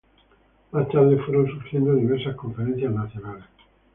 Más tarde fueron surgiendo diversas conferencias nacionales.